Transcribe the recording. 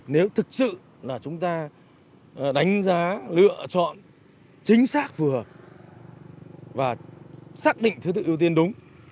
nếu thực sự là chúng ta đánh giá lựa chọn chính xác vừa và xác định thứ tự ưu tiên đúng